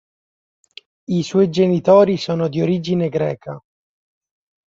I suoi genitori sono di origine greca.